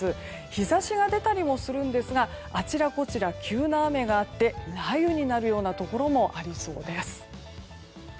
日差しが出たりもするんですがあちらこちら急な雨があって雷雨になるようなところもありそうです。